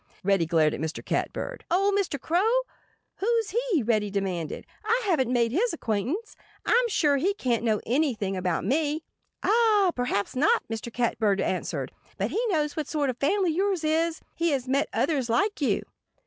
Reddy glared at Mr. Catbird. "Old Mr. Crow? Who's he?" Reddy demanded. "I haven't made his acquaintance. I'm sure he can't know anything about me." "Ah! Perhaps not!" Mr. Catbird answered. "But he knows what sort of family yours is. He has met others like you."